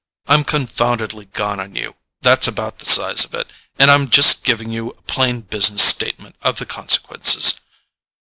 I'm confoundedly gone on you—that's about the size of it—and I'm just giving you a plain business statement of the consequences.